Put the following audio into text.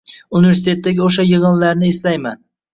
Universitetdagi o’sha yig‘inlarni eslayman.